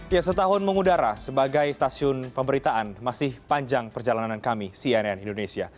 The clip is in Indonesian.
ya setahun mengudara sebagai stasiun pemberitaan masih panjang perjalanan kami cnn indonesia